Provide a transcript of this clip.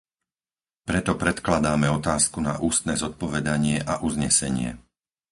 Preto predkladáme otázku na ústne zodpovedanie a uznesenie.